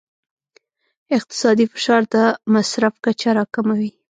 اقتصادي فشار د مصرف کچه راکموي.